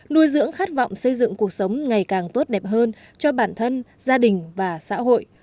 nuôi dưỡng khát vọng xây dựng cuộc sống ngày càng tốt đẹp hơn cho bản thân gia đình và xã hội